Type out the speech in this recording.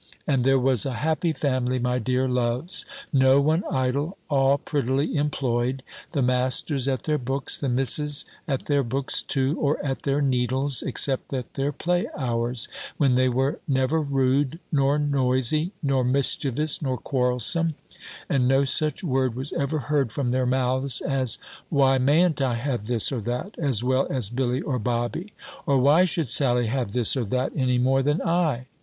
"And there was a happy family, my dear loves! No one idle; all prettily employed; the Masters at their books; the Misses at their books too, or at their needles; except at their play hours, when they were never rude, nor noisy, nor mischievous, nor quarrelsome: and no such word was ever heard from their mouths, as, 'Why mayn't I have this or that, as well as Billy or Bobby?' Or, 'Why should Sally have this or that, any more than I?'